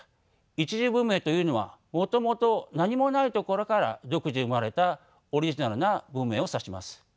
一次文明というのはもともと何もないところから独自に生まれたオリジナルな文明を指します。